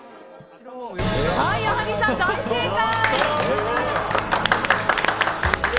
矢作さん、大正解！